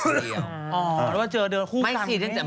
หรือว่าเจอเดือคู่กัน